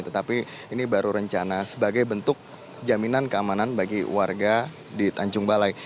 tetapi ini baru rencana sebagai bentuk jaminan keamanan bagi warga di tanjung balai